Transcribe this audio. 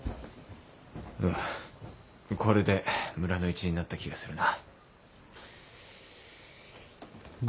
これで村の一員になった気がするな。